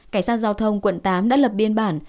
cảnh sát giao thông quận tám đã lập biên bản